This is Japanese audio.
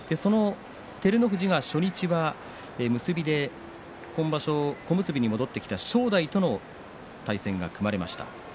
照ノ富士が初日、結びで今場所、小結に戻ってきた正代との対戦が組まれました。